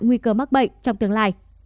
nguy cơ mắc bệnh trong tương lai